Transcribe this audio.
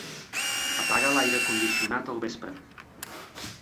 Apaga l'aire condicionat al vespre.